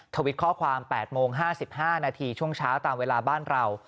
ทวิตข้อความ๘โมง๕๕นาทีช่วงเช้าตามเวลาบ้านเรา